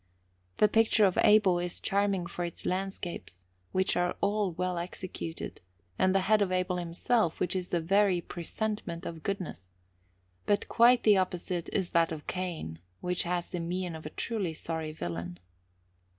The picture of Abel is charming for its landscapes, which are very well executed, and the head of Abel himself, which is the very presentment of goodness; but quite the opposite is that of Cain, which has the mien of a truly sorry villain.